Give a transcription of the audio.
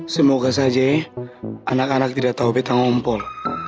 semoga saja anak anak tidak tahu betang ompol